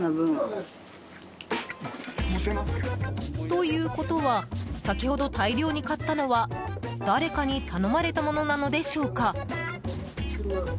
ということは先ほど大量に買ったのは誰かに頼まれたものなのでしょうか。